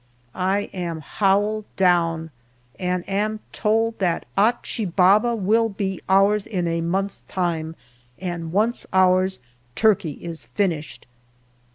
I am " howled down/' and am told that Achi Baba will be ours in a month's time, and once ours, Turkey is finished.